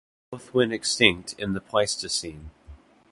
Both went extinct in the Pleistocene.